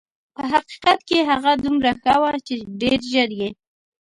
په حقیقت کې هغه دومره ښه وه چې ډېر ژر یې.